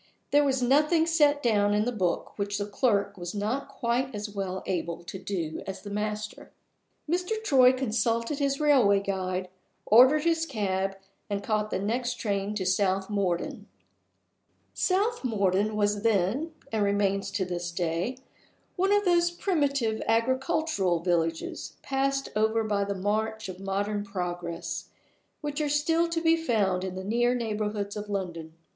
There was nothing set down in the book which the clerk was not quite as well able to do as the master. Mr. Troy consulted his railway guide, ordered his cab, and caught the next train to South Morden. South Morden was then (and remains to this day) one of those primitive agricultural villages, passed over by the march of modern progress, which are still to be found in the near neighborhood of London.